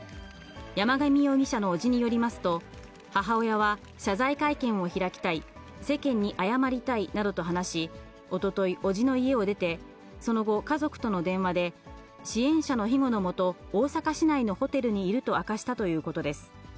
山上容疑者の伯父によりますと、母親は、謝罪会見を開きたい、世間に謝りたいなどと話し、おととい、伯父の家を出て、その後、家族との電話で、支援者のひごのもと、大阪市内のホテルにいると明かしたということです。